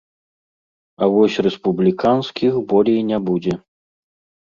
А вось рэспубліканскіх болей не будзе.